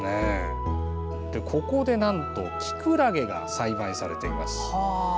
ここで、なんとキクラゲが栽培されています。